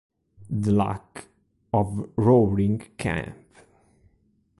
The Luck of Roaring Camp